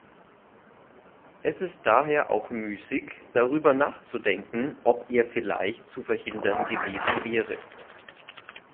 Es ist daher auch müßig, darüber nachzudenken, ob er vielleicht zu verhindern gewesen wäre.